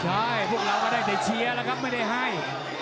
ใช่พวกเราก็ได้แต่เชียร์แล้วครับไม่ได้ให้